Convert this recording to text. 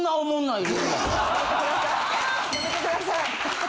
やめてください